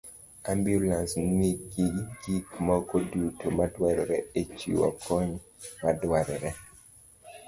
ambulans nigi gik moko duto madwarore e chiwo kony madwarore.